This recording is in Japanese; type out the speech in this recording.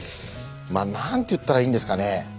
まあなんて言ったらいいんですかね？